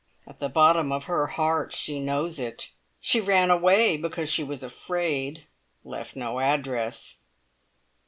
At the bottom of her heart she knows it. She ran away because she was afraid. Left no address."